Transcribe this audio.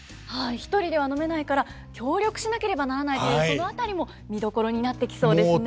１人では飲めないから協力しなければならないというその辺りも見どころになってきそうですね。